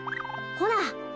ほら。